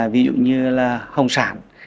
ví dụ như là hồng sản